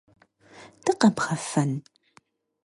Дыкъэбгъэфэн?